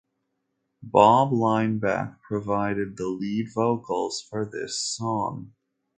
Bob Leinbach provided the lead vocals for this song.